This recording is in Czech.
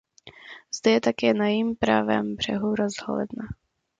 Zde je také na jejím pravém břehu rozhledna.